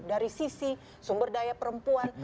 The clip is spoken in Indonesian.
dari sisi sumber daya perempuan